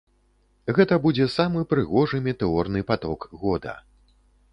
Гэта будзе самы прыгожы метэорны паток года.